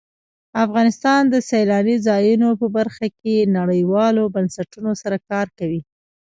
افغانستان د سیلانی ځایونه په برخه کې نړیوالو بنسټونو سره کار کوي.